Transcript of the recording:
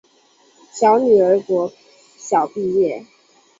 小女儿国小毕业